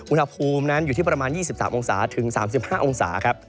อุณหภูมินั้นอยู่ที่ประมาณ๒๓องศาถึง๓๕องศาครับ